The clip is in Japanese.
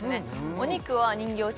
お肉は人形町